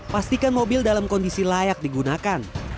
pastikan mobil dalam kondisi layak digunakan